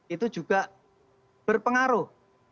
itu juga berpengaruh